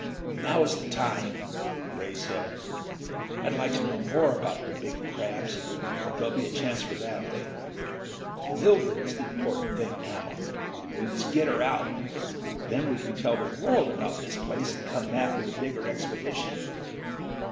"Now is the time," Ray said. "I'd like to know more about the big crabs, but there'll be a chance for that, later. Mildred is the important thing, now. We must get her out. Then we can tell the world about this place and come back with a bigger expedition."